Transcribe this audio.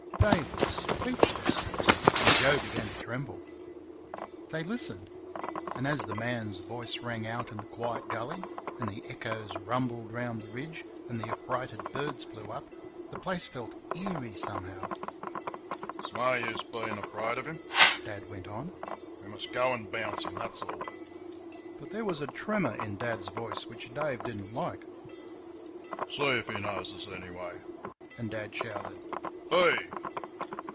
Dave was speechless, and Joe began to tremble. They listened. And as the man's voice rang out in the quiet gully and the echoes rumbled round the ridge and the affrighted birds flew up, the place felt eerie somehow. "It's no use bein' afraid of him," Dad went on. "We must go and bounce him, that's all." But there was a tremor in Dad's voice which Dave did n't like. "See if he knows us, anyway." and Dad shouted, "HEY Y!"